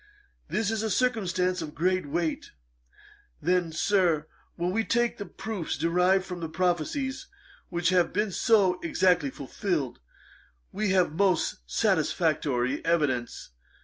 This is a circumstance of great weight. Then, Sir, when we take the proofs derived from prophecies which have been so exactly fulfilled, we have most satisfactory evidence.